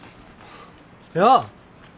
やあ！